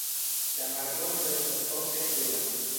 La marbordo estas ofte kruda.